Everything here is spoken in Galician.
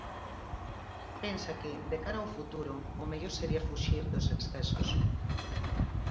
Pensa que, de cara ao futuro, o mellor sería fuxir dos excesos.